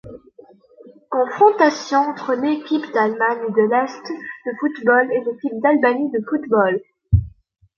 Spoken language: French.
Confrontations entre l'équipe d'Allemagne de l'Est de football et l'équipe d'Albanie de football.